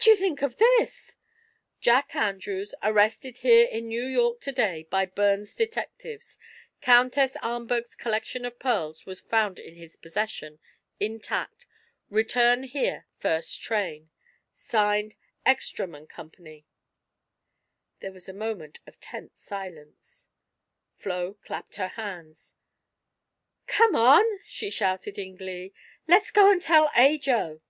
"What do you think of this? "'Jack Andrews arrested here in New York to day by Burns detectives. Countess Ahmberg's collection of pearls was found in his possession, intact. Return here first train.' "Signed: 'Eckstrom & Co.'" There was a moment of tense silence. Flo clapped her hands. "Come on," she shouted in glee, "let's go and tell Ajo!"